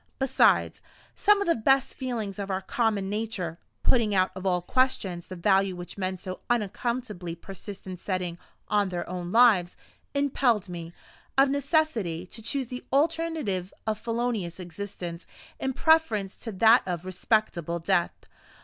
Besides, some of the best feelings of our common nature (putting out of all question the value which men so unaccountably persist in setting on their own lives), impelled me, of necessity, to choose the alternative of felonious existence in preference to that of respectable death.